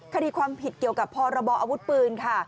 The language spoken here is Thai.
คดีความผิดเกี่ยวกับพรบออาวุธปืนค่ะ